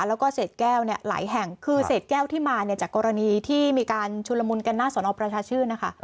แล้วก็เศษแก้วหลายแห่งคือเศษแก้วที่มาจากกรณีที่มีการชุลมุนกันหน้าสนองประชาชื่อ